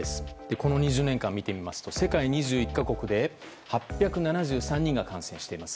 この２０年間を見てみますと世界２１か国で８７３人が感染しています。